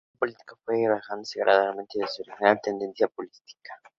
La formación política fue alejándose gradualmente de su original tendencia populista.